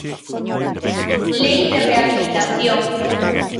Lei de rehabilitación.